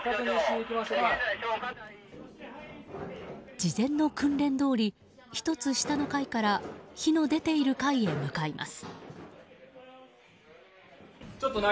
事前の訓練どおり１つ下の階から火の出ている階へ向かいます。